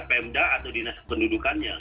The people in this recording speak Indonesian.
pemda atau dinas kependudukannya